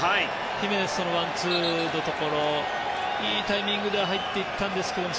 ヒメネスとのワンツーのところいいタイミングでは入っていったんですけど